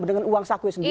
dengan uang sakwe sendiri